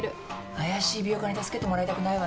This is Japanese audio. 怪しい美容家に助けてもらいたくないわね。